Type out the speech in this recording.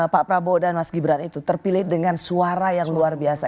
pak prabowo dan mas gibran itu terpilih dengan suara yang luar biasa